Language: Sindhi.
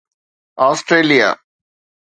آسٽريليا